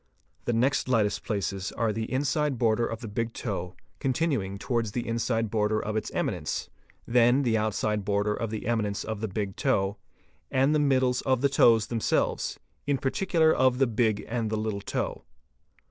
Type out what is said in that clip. he next lightest places are the inside border of the big toe, continuing 67 530 FOOTPRINTS towards the inside border of its eminence; then the outside border of the eminence of the big toe, and the middles of the toes themselves, in particular of the big and the little toe.